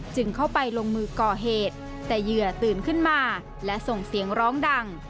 จึงเข้าไปลงมือก่อเหตุแต่เหยื่อตื่นขึ้นมาและส่งเสียงร้องดัง